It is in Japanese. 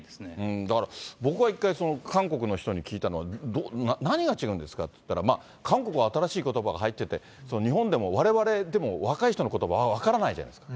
だから、僕は一回、韓国の人に聞いたのは、何が違うんですか、って言ったら、韓国は新しいことばが入ってて、日本でもわれわれでも若い人のことばは分からないじゃないですか。